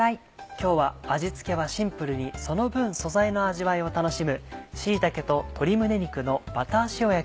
今日は味付けはシンプルにその分素材の味わいを楽しむ「椎茸と鶏胸肉のバター塩焼き」